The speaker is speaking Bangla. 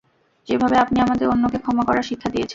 যেভাবে আপনি আমাদের অন্যকে ক্ষমা করার শিক্ষা দিয়েছেন!